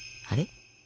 あれ？